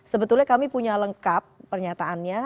sebetulnya kami punya lengkap pernyataannya